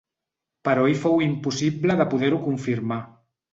Però ahir fou impossible de poder-ho confirmar.